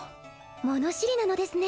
物知りなのですね